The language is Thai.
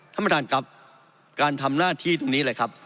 ท่านประธานครับการทำหน้าที่ตรงนี้เลยครับ